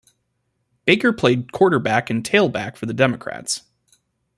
Baker played quarterback and tailback for the Democrats.